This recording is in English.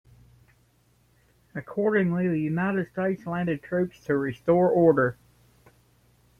Accordingly, the United States landed troops to restore order.